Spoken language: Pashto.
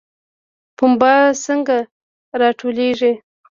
پنبه څنګه راټولیږي؟